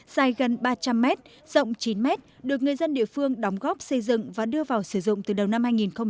dài gần ba trăm linh mét rộng chín mét được người dân địa phương đóng góp xây dựng và đưa vào sử dụng từ đầu năm hai nghìn một mươi